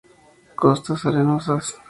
Costas arenosas.